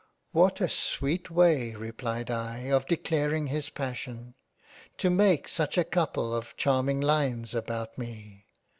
What a sweet way replied I, of declaring his Passion ! To make such a couple of charming lines about me